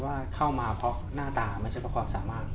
ว่าเข้ามาเพราะหน้าตาไม่ใช่เพราะความสามารถ